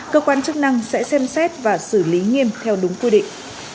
cơ quan chức năng sẽ xem xét và xử lý nghiêm theo đúng quy định